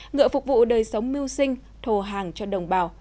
ngựa phục vụ đời sống mưu sinh thồ hàng cho đồng bào